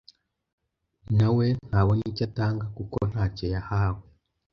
na we ntabona icyo atanga kuko nta cyo yahawe.